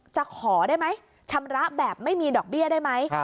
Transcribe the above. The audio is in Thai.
จะขอได้ไหมชำระแบบไม่มีดอกเบี้ยได้ไหม